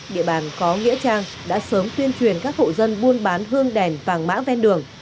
địa bàn có nghĩa trang đã sớm tuyên truyền các hộ dân buôn bán hương đèn vàng mã ven đường